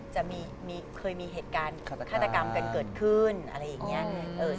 จะมีเคยมีเหตุการณ์ฆาตกรรมกันเกิดขึ้นอะไรอย่างนี้